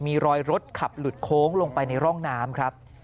มีรอยรถขับหลุดโค้งลงไปในร่องน้ำครับ